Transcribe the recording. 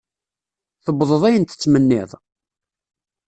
Tewwḍeḍ ayen tettmenniḍ?